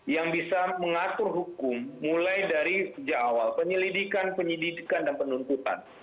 yang bisa mengatur hukum mulai dari sejak awal penyelidikan penyidikan dan penuntutan